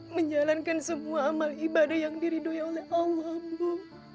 menjalankan semua amal ibadah yang diridui oleh allah bu